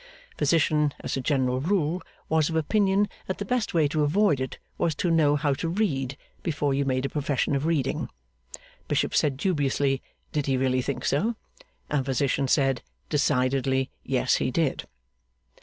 Physician, as a general rule, was of opinion that the best way to avoid it was to know how to read, before you made a profession of reading. Bishop said dubiously, did he really think so? And Physician said, decidedly, yes he did.